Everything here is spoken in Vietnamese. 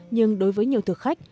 nhưng đối với nhiều thực khách